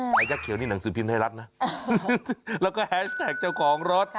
ยักษิวนี่หนังสือพิมพ์ไทยรัฐนะแล้วก็แฮสแท็กเจ้าของรถ